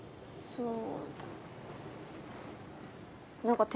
そう。